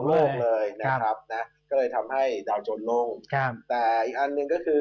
โลกเลยนะครับนะก็เลยทำให้ดาวจนโล่งครับแต่อีกอันหนึ่งก็คือ